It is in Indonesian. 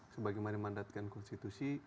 sebagaimana mandatkan konstitusi